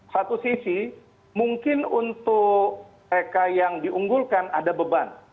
satu sisi mungkin untuk mereka yang diunggulkan ada beban